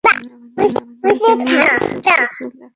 আমাদেরকে নিয়ে কি কিছু লেখা যায়?